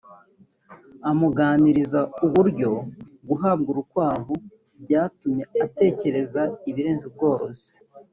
amugaragariza uburyo guhabwa urukwavu byatumye atekereza ibirenze ubworozi